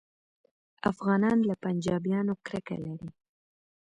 افغانان له پنجابیانو کرکه لري